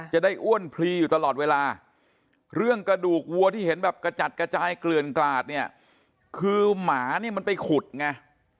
อ้วนพลีอยู่ตลอดเวลาเรื่องกระดูกวัวที่เห็นแบบกระจัดกระจายเกลื่อนกลาดเนี่ยคือหมานี่มันไปขุดไง